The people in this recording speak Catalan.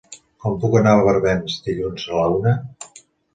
Com puc anar a Barbens dilluns a la una?